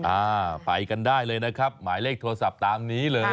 อ่าไปกันได้เลยนะครับหมายเลขโทรศัพท์ตามนี้เลย